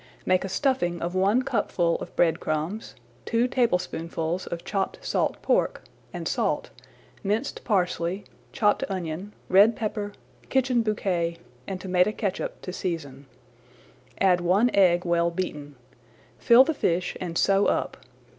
Make a stuffing of one cupful of bread crumbs, two tablespoonfuls of chopped salt pork, and salt, [Page 70] minced parsley, chopped onion, red pepper, kitchen bouquet, and tomato catsup to season. Add one egg well beaten. Fill the fish and sew up.